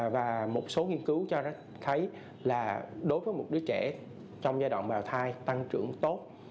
và một số nghiên cứu cho thấy là đối với một đứa trẻ trong giai đoạn bào thai tăng trưởng tốt